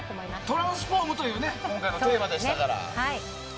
トランスフォームという今回のテーマでしたから。